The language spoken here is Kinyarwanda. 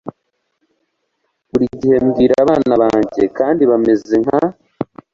Buri gihe mbwira abana banjye kandi bameze nka,